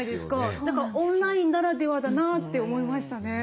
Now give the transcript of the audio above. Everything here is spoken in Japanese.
だからオンラインならではだなって思いましたね。